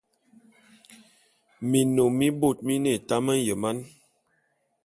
Minnom mibot mine etam enyeman.